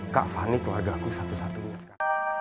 kak fani keluarga ku satu satunya